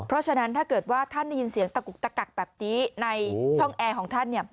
เพราะฉะนั้นถ้าเกิดว่าท่านได้ยินเสียงตะกุกตะกักแบบนี้ในช่องแอร์ของท่าน